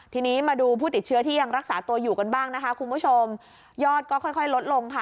ทีนี้มาดูผู้ติดเชื้อที่ยังรักษาตัวอยู่กันบ้างนะคะคุณผู้ชมยอดก็ค่อยค่อยลดลงค่ะ